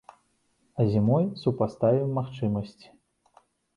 А зімой супаставім магчымасці.